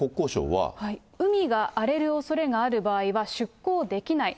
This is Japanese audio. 海が荒れるおそれがある場合は、出航できない。